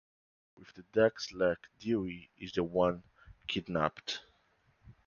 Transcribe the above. With the ducks luck, Dewey is the one kidnapped.